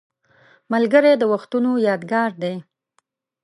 ملګری د وختونو یادګار دی